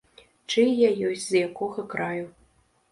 Чый я ёсць, з якога краю.